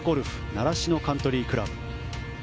習志野カントリークラブ。